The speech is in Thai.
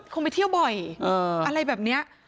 คงไปเที่ยวบ่อยอะไรแบบนี้